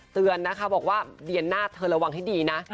เตือนนะคะบอกว่าเดือนหน้าเธอระวังให้ดีนะ